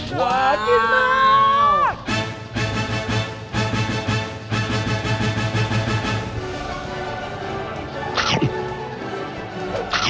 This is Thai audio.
หวานิดมาก